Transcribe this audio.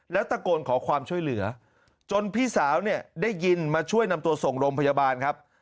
แล้วตะโกนขอความช่วยเหลือจนพี่สาวเนี่ยได้ยินมาช่วยนำตัวส่งโรงพยาบาลครับ